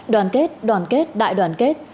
đoàn kết đoàn kết đại đoàn kết